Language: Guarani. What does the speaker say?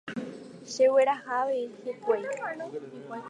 Chegueraha avei hikuái